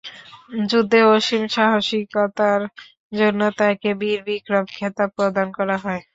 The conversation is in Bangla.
যুদ্ধে অসীম সাহসিকতার জন্য তাঁকে বীর বিক্রম খেতাব প্রদান করা হয়।